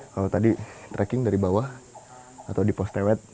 kalau tadi tracking dari bawah atau di post tewet